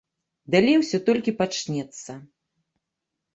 Далей усё толькі пачнецца.